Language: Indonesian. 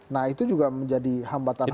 nah itu juga menjadi hambatan